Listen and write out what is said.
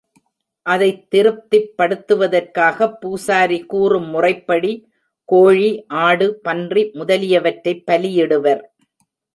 அதைத் திருப்திப் படுத்துவதற்காகப் பூசாரி கூறும் முறைப்படி கோழி, ஆடு, பன்றி முதலியவற்றைப் பலியிடுவர்.